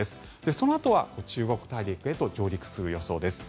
そのあとは中国大陸へと上陸する予想です。